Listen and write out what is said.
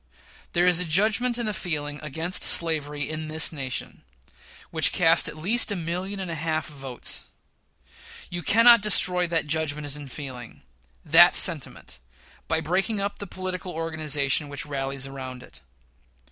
There is a judgment and a feeling against slavery in this nation, which cast at least a million and a half of votes. You cannot destroy that judgment and feeling that sentiment by breaking up the political organization which rallies around it.